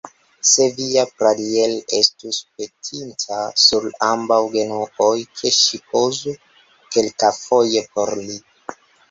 Sed via Pradier estus petinta sur ambaŭ genuoj, ke ŝi pozu kelkafoje por li.